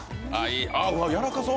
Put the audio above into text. やわらかそう。